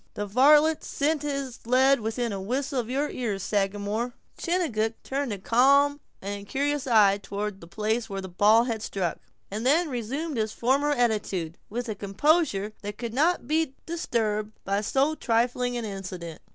The varlet sent his lead within whistle of your ears, Sagamore." Chingachgook turned a calm and incurious eye toward the place where the ball had struck, and then resumed his former attitude, with a composure that could not be disturbed by so trifling an incident.